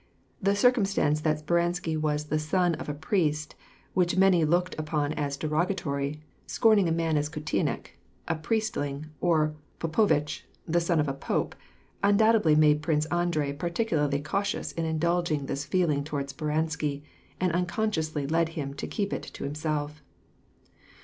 The circumstance that Speransky was the son of a priest, which many looked upon as derogatory, scorning a man as a ktU&nik — a priestling — or a popdvitch — the son of a pope, undoubtedly made Prince Andrei particularly cautious in indulging this feeling toward Speransky, and unconsciously led him to keep it to himself.